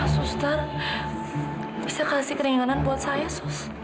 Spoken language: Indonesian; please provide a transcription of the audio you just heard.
sustan bisa kasih keringanan buat saya sus